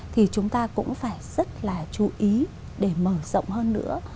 thì chúng ta cũng phải rất là chú ý để mở rộng hơn nữa